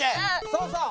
そうそう。